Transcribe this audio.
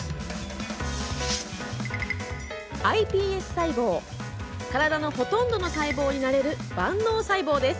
体のほとんどの細胞になれる万能細胞です。